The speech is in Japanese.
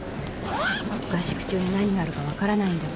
合宿中に何があるかわからないんだから。